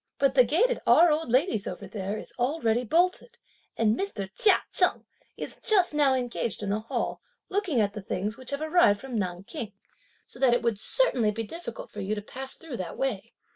But the gate at our old lady's over there is already bolted, and Mr. Chia Cheng is just now engaged in the Hall, looking at the things which have arrived from Nanking, so that it would certainly be difficult for you to pass through that way.